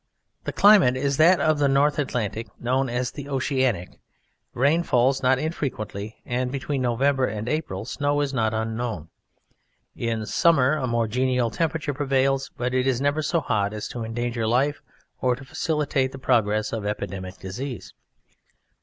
The climate is that of the North Atlantic known as the "Oceanic." Rain falls not infrequently, and between November and April snow is not unknown. In summer a more genial temperature prevails, but it is never so hot as to endanger life or to facilitate the progress of epidemic disease.